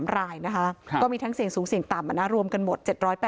๓รายนะคะก็มีทั้งเสี่ยงสูงเสี่ยงต่ำรวมกันหมด๗๘